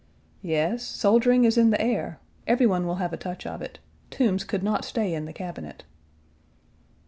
"Yes, soldiering is in the air. Every one will have a touch of it. Toombs could not stay in the Cabinet."